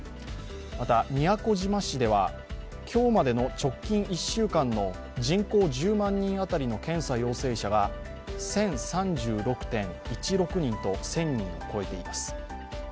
また、宮古島市では今日までの直近１週間の人口１０万人当たりの検査陽性者が１０３６．１６人と１０００人を超えています。